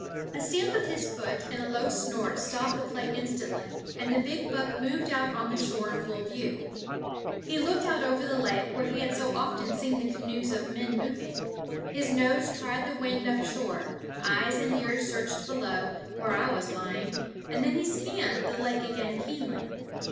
A stamp of his foot and a low snort stopped the play instantly, and the big buck moved out on the shore in full view. He looked out over the lake, where he had so often seen the canoes of men moving; his nose tried the wind up shore; eyes and ears searched below, where I was lying; then he scanned the lake again keenly.